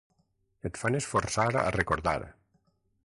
Et fan esforçar a recordar.